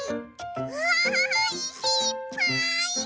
うわいしいっぱい！